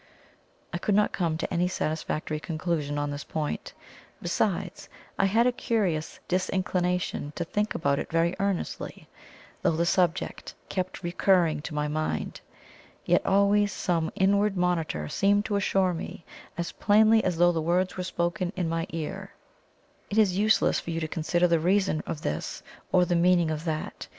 I could not come to any satisfactory conclusion on this point, besides, I had a curious disinclination to think about it very earnestly, though the subject kept recurring to my mind. Yet always some inward monitor seemed to assure me, as plainly as though the words were spoken in my ear: "It is useless for you to consider the reason of this, or the meaning of that.